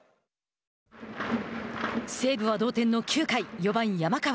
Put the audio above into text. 西武は同点の９回、４番山川。